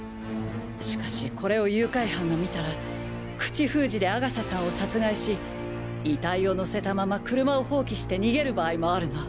しかしこれを誘拐犯が見たら口封じで阿笠さんを殺害し遺体を乗せたまま車を放棄して逃げる場合もあるな。